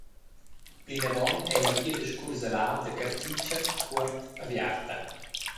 Plinavon ei la via da scursalar da Cartitscha a Cuort aviarta.